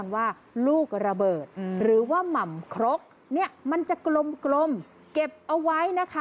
ว่าหม่ำครกมันจะกลมเก็บเอาไว้นะคะ